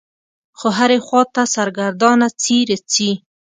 خو هرې خوا ته سرګردانه څي رڅي.